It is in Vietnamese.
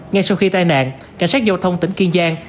ngay sau khi tai nạn cảnh sát giao thông tỉnh kiên giang